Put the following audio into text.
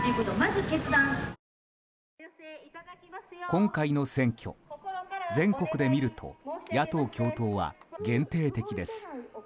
今回の選挙、全国で見ると野党共闘は限定的です。